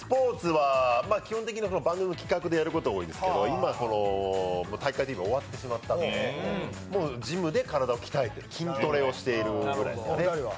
基本的には番組の企画でやることが多いんですけど今、「体育会ＴＶ」が終わってしまったのでジムで体を鍛えている筋トレをしているくらいですね。